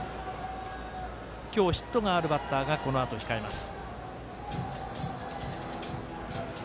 今日ヒットがあるバッターがこのあと控えます。